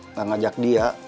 nggak ngajak dia